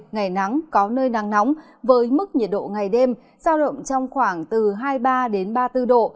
ngày nắng có nơi nắng nóng với mức nhiệt độ ngày đêm giao động trong khoảng từ hai mươi ba ba mươi bốn độ